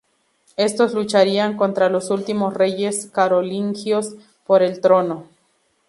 Estos lucharían contra los últimos reyes carolingios por el trono.